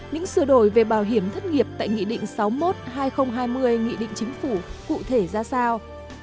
những sửa đổi về bảo hiểm thất nghiệp tại nghị định sáu mươi một hai nghìn hai mươi nghị định chính phủ cụ thể ra sao